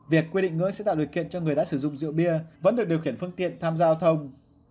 việc quy định ngưỡng sẽ tạo điều kiện cho người đã sử dụng rượu bia vẫn được điều khiển phương tiện tham gia giao thông